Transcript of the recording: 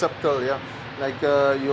ada beberapa yang memiliki sedikit pilihan